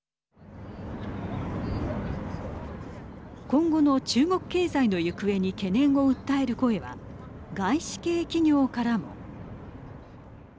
今後の中国経済の行方に懸念を訴える声は外資系企業からも。